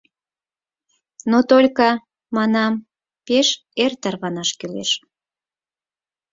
Но только, — манам, — пеш эр тарванаш кӱлеш.